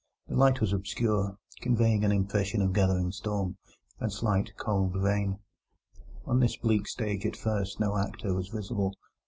The light was obscure, conveying an impression of gathering storm, late winter evening, and slight cold rain. On this bleak stage at first no actor was visible.